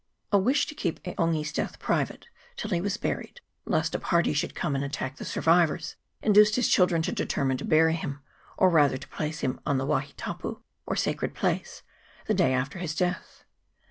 " A wish to keep E' Ongi's death private till he was buried, lest a party should come and attack the survivors, induced his children to determine to bury him, or rather to place him on the wahi tapu, or sacred place, the day after his death.